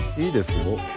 いいですよ。